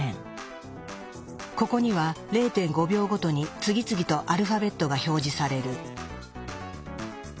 ここには０．５秒ごとに次々とアルファベットが表示される。